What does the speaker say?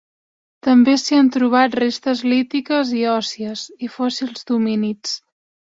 També s'hi han trobat restes lítiques i òssies, i fòssils d'homínids.